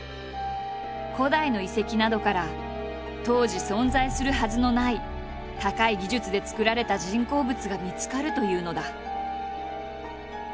古代の遺跡などから当時存在するはずのない高い技術で作られた人工物が見つかるというのだ。